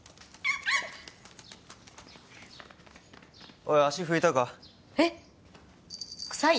おい足拭いたかえっ臭い？